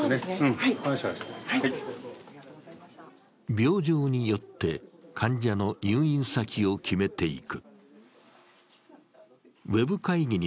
病状によって、患者の入院先を決めていく。